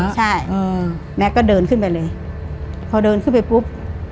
ใช่อืมแม็กซ์ก็เดินขึ้นไปเลยพอเดินขึ้นไปปุ๊บ